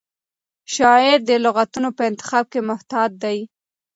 شاعر د لغتونو په انتخاب کې محتاط دی.